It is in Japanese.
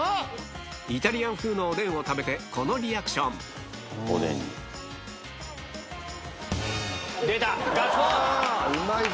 イタリアン風のおでんを食べてこのリアクション出たガッツポーズ！